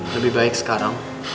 lebih baik sekarang